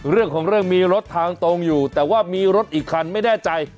เรื่องของเรื่องมีรถทางตรงอยู่แต่ว่ามีรถอีกคันไม่แน่ใจ